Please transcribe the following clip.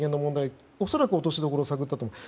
恐らく落としどころを探ったと思うんです。